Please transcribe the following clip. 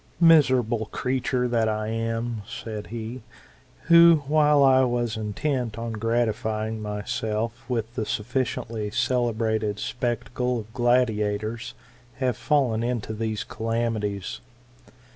'* Miserable creature that I am ! said he : who, while I was intent on gratifying myself with the sufficiently celebrated spectacle of gladiators, have fallen into these calamities.